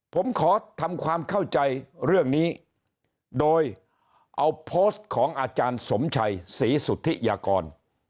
ผมขอทำความเข้าใจเรื่องนี้โดยเอาโพสต์ของอาจารย์สมชัยศรีสุธิยากร